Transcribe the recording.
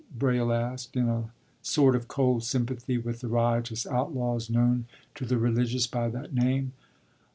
” Braile asked, in a sort of cold sympathy with the riotous outlaws known to the religious by that name.